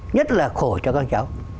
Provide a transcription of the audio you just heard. nhất là khổ cho các cháu